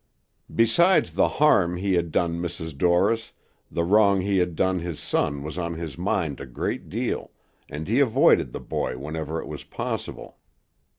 Besides the harm he had done Mrs. Dorris, the wrong he had done his son was on his mind a great deal, and he avoided the boy whenever it was possible.